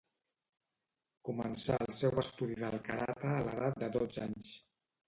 Començà el seu estudi del karate a l'edat de dotze anys.